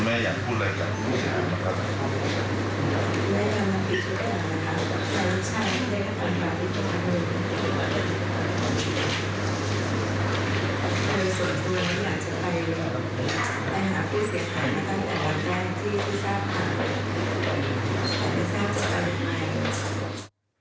แต่ไม่ทราบจะไปใหม่